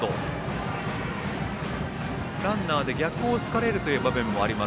ランナーで逆をつかれるという場面もあります。